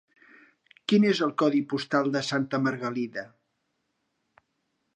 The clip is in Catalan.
Quin és el codi postal de Santa Margalida?